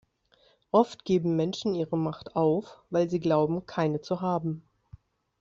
Oft geben Menschen ihre Macht auf, weil sie glauben, keine zu haben.